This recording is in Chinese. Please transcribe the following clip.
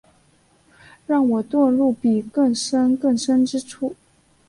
让我遁入比更深更深之处